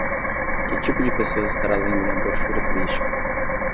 Que tipo de pessoas estará lendo uma brochura turística?